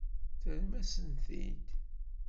Terram-as-tent-id.